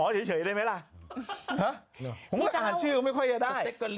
สเต็กเซ็นโก